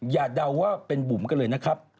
เดาว่าเป็นบุ๋มกันเลยนะครับ